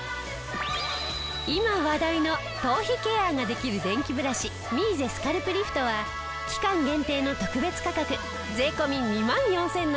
今話題の頭皮ケアができる電気ブラシミーゼスカルプリフトは期間限定の特別価格税込２万４７５０円。